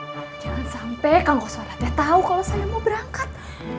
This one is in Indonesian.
jangan sampe kangkos waratnya tau kalau saya mau berangkat